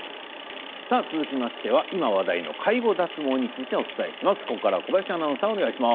続いては今、話題の介護脱毛についてお伝えします。